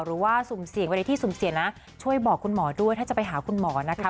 หรือว่าสูงเสียงวันที่สูงเสียงนะช่วยบอกคุณหมอด้วยถ้าจะไปหาคุณหมอนะคะ